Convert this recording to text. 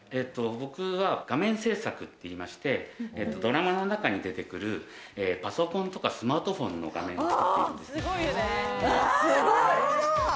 僕は画面制作といいまして、ドラマの中に出てくるパソコンとかスマートフォンの画面を作っています。